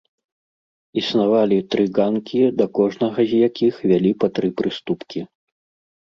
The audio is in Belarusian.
Існавалі тры ганкі, да кожнага з якіх вялі па тры прыступкі.